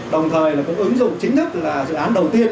đồng thời là cũng ứng dụng chính thức là dự án đầu tiên